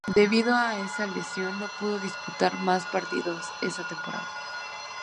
Debido a esa lesión no pudo disputar más partidos esa temporada.